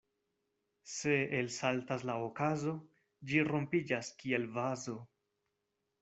Se elsaltas la okazo, ĝi rompiĝas kiel vazo.